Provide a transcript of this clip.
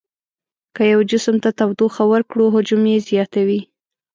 که یو جسم ته تودوخه ورکړو حجم یې زیاتوي.